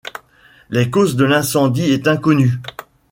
La cause de l'incendie est inconnue.